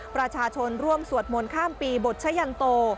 ประชาชนร่วมสวดมนต์ข้ามปีบทชะยันโต